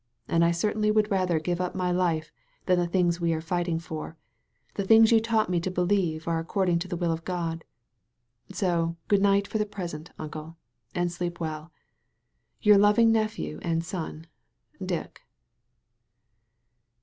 And I certainly would rather ^06 A CLASSIC INSTANCE give up my life than the things we are fighting for — the things you i^ught me to believe are according to the will of God. So good night for the present. Uncle, and sleep well. "Your loving nephew and son, "Dick.